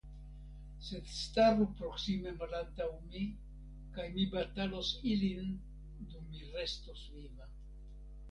Sed staru proksime malantaŭ mi, kaj mi batalos ilin dum mi restos viva.